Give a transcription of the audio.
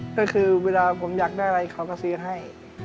ก็คือเวลาผมอยากได้อะไรเขาก็ซื้อให้